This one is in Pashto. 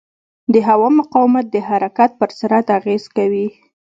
د هوا مقاومت د حرکت پر سرعت اغېز کوي.